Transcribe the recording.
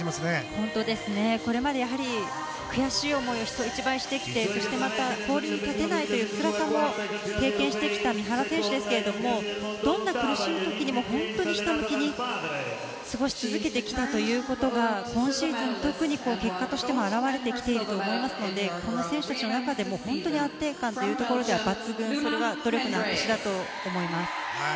本当ですね、これまで悔しい思いを人一倍してきてそして氷に立てないつらさも経験してきた三原選手ですけどどんな苦しい時にも本当にひたむきに過ごし続けてきたということが今シーズン特に結果としても現れてきていると思いますのでこの選手たちの中でも本当に安定感というものでは抜群で、それが努力の証しだと思います。